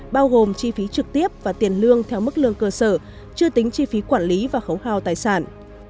bao gồm chi phí trực tiếp và tiền lương theo mức lương cơ sở chưa tính chi phí quản lý và khấu hào tài sản